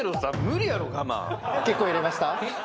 結構入れました？